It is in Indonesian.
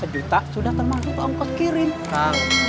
satu juta sudah termasuk ompok kiriman